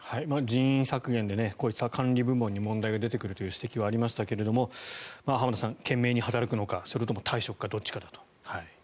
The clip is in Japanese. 人員削減でこうした管理部門に問題が出てくるという指摘がありましたけれども浜田さん、懸命に働くのかそれとも退職のどちらかだと。